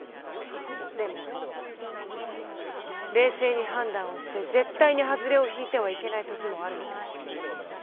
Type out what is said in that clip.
でも冷静に判断をして絶対にハズレを引いてはいけない時もあるのです。